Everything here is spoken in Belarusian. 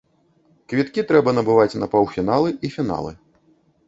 Квіткі трэба набываць на паўфіналы і фіналы.